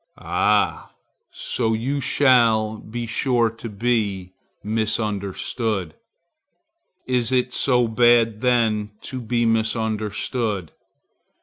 —'Ah, so you shall be sure to be misunderstood.'—Is it so bad then to be misunderstood?